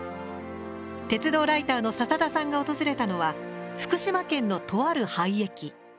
鉄道ライターの笹田さんが訪れたのは福島県のとある廃駅。